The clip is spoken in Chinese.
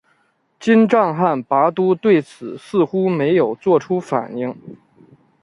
金帐汗拔都对此似乎没有作出反应。